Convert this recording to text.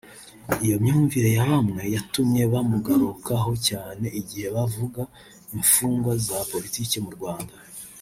Iyo myumvire ya bamwe yatumye bamugarukaho cyane igihe bavuga imfungwa za politiki mu Rwanda